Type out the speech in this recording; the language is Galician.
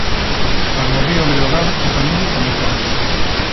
Para o Río Breogán, o camiño comeza hoxe.